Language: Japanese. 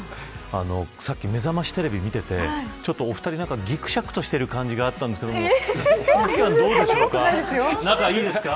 さっきめざましテレビを見ていてお二人、ぎくしゃくしている感じがあったんですけどどうでしょうか、仲いいですか。